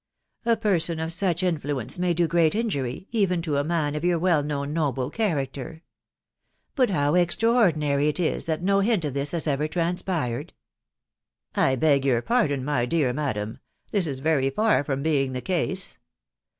A person of such influence may do great injury, even to a man of your well known noble character. But how extraordinary it is thai no bint of this has ever transpired." " I beg your pardon, my dear madam ; this is very far from being the case.